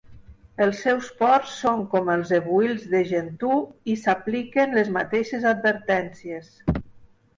Els seus ports són com els ebuilds de Gentoo, i s'apliquen les mateixes advertències.